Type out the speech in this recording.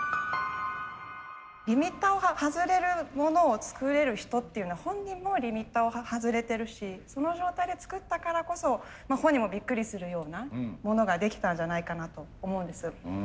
リミッターを外れるものを作れる人っていうのは本人もリミッターを外れてるしその状態で作ったからこそ本人もびっくりするようなものができたんじゃないかなと思うんです。